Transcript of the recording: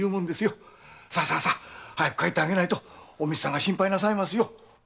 さあ早く帰ってあげないとおみつさんが心配しますよ。